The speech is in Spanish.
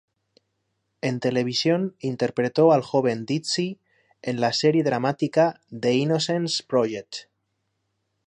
En televisión interpretó al joven Dizzy en la serie dramática "The Innocence Project".